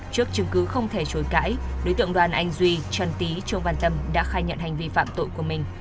trước chứng cứ không thể chối cãi đối tượng đoàn anh duy trăn tý chu văn tâm đã khai nhận hành vi phạm tội của mình